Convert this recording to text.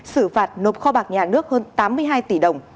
xử phạt nộp kho bạc nhà nước hơn tám mươi hai tỷ đồng